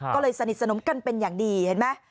ก็เลยสนิทสนมกันเป็นอย่างดีเห็นไหม